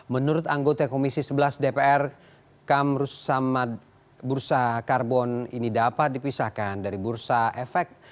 menurut anggota komisi sebelas dpr kamrus samad bursa karbon ini dapat dipisahkan dari bursa efek